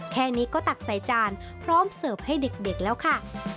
แค่นี้ก็ตักใส่จานพร้อมเสิร์ฟให้เด็กแล้วค่ะ